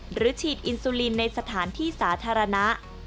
หรือฉีดอินซูลินในสถานที่สาธารณะ